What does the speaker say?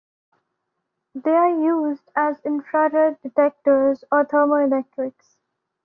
They are used as infrared detectors or thermoelectrics.